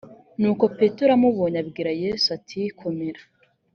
nuko petero amubonye abwira yesu ati komera